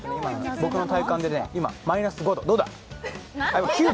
僕の体感で今、マイナス５度。